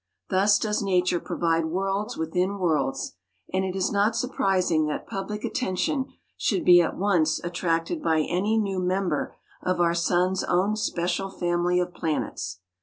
Thus does Nature provide worlds within worlds, and it is not surprising that public attention should be at once attracted by any new member of our sun's own special family of planets.